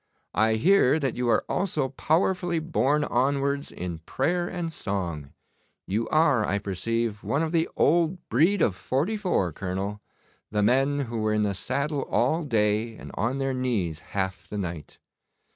'I hear that you are also powerfully borne onwards in prayer and song. You are, I perceive, one of the old breed of '44, Colonel the men who were in the saddle all day, and on their knees half the night.